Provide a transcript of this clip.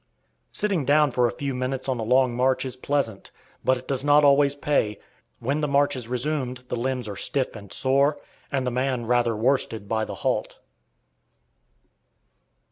Sitting down for a few minutes on a long march is pleasant, but it does not always pay; when the march is resumed the limbs are stiff and sore, and the man rather worsted by the halt.